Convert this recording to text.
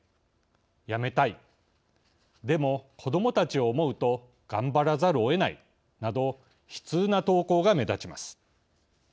「やめたいでも子どもたちを思うと頑張らざるをえない」など悲痛な投稿が目立ちます。